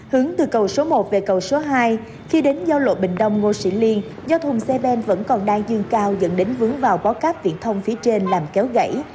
hướng từ cầu số một về cầu số hai khi đến giao lộ bình đông ngô sĩ liên do thùng xe ben vẫn còn đang dương cao dẫn đến vướng vào bó cáp viễn thông phía trên làm kéo gãy